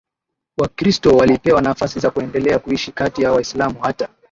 Wakristo walipewa nafasi za kuendelea kuishi kati ya Waislamu hata